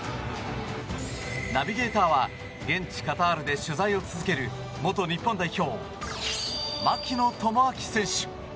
ナビゲーターは現地カタールで取材を続ける元日本代表、槙野智章選手。